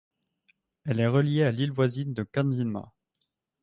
Elle est reliée à l'île voisine de Kandinma.